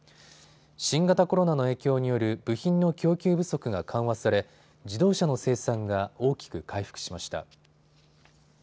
新型コロナの影響による部品の供給不足が緩和され自動車の生産が大きく回復しました。